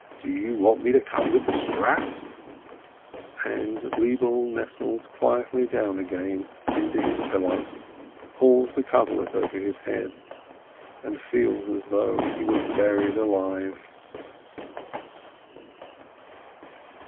Do you want me to come with the strap ?" And Lebele nestles quietly down again into his pillow, pulls the coverlet over his head, and feels as though he were buried alive.